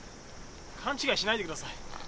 勘違いしないでください。